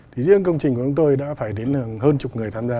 thì riêng công trình của chúng tôi đã phải đến hơn chục người tham gia